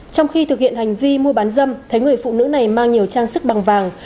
trong khi thực hiện hành vi mua bán dâm thấy người phụ nữ này mang nhiều trang sức bằng vàng